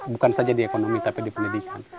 bukan saja di ekonomi tapi di pendidikan